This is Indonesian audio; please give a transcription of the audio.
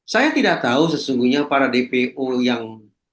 saya tidak tahu sesungguhnya para dpo yang